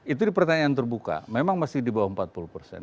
itu di pertanyaan terbuka memang masih di bawah empat puluh persen